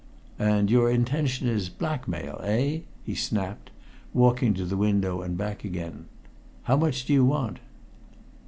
"And your intention is blackmail eh?" he snapped, walking to the window and back again. "How much do you want?"